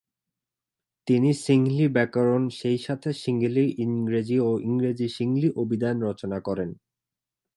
তিনি সিংহলি ব্যাকরণ সেইসাথে সিংহলী-ইংরেজি ও ইংরেজি-সিংহলী অভিধান রচনা করেন।